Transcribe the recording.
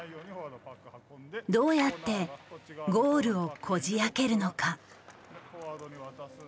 どうやってゴールをこじあけるのか。